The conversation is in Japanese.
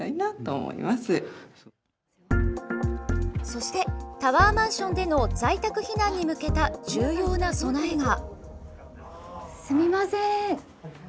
そしてタワーマンションでの在宅避難に向けた重要な備えが。